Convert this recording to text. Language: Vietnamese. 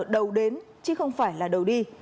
đầu đến chứ không phải là đầu đi